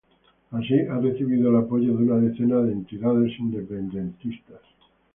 Así, ha recibido el apoyo de una decena de entidades independentistas.